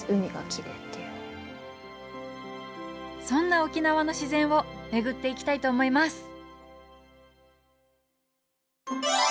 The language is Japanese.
そんな沖縄の自然を巡っていきたいと思います